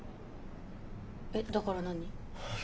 えっだから何？